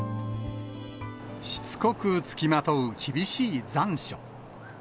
しつこく付きまとう厳しい残暑。